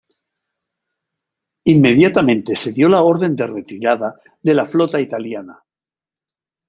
Inmediatamente se dio la orden de retirada de la flota italiana.